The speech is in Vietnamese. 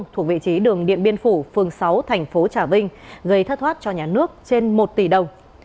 thuộc vị trí đường điện biên phủ phường sáu thành phố trà vinh gây thất thoát cho nhà nước trên một tỷ đồng